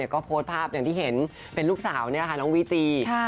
ก็โพสภาพจะเห็นเป็นลูกสาวน้องวิจีย์